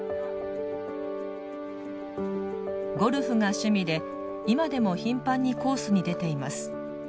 ゴルフが趣味で今でも頻繁にコースに出ています。